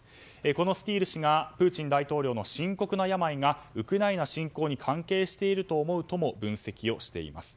このスティール氏がプーチン大統領の深刻な病がウクライナ侵攻に関係していると思うとも分析しています。